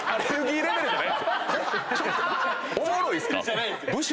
おもろいっすか？